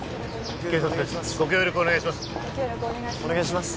警察ですご協力お願いします